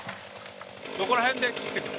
どこら辺で伐っていく？